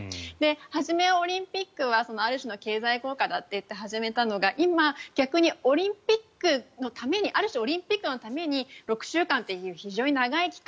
初めはオリンピックはある種の経済効果だといって始めたのが今、逆にある種オリンピックのために６週間という非常に長い期間